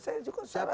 saya cukup serah